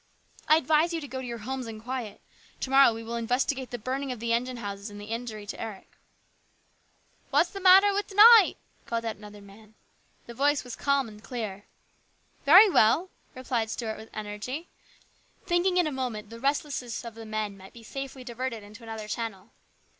" I advise you to go to your homes in quiet. To morrow we will investigate the burning of the engine house and the injury to Eric." "What's the matter with to night?" called out another man. The voice was calm and clear. " Very well," replied Stuart with energy, thinking in a moment the restlessness of the men might be safely diverted into another channel.